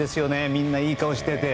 みんないい顔してて。